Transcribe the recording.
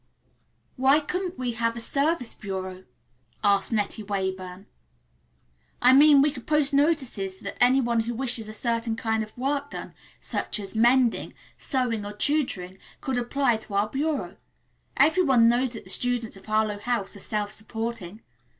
"Why couldn't we have a Service Bureau?" asked Nettie Weyburn. "I mean we could post notices that any one who wishes a certain kind of work done, such as mending, sewing or tutoring, could apply to our bureau. Every one knows that the students of Harlowe House are self supporting.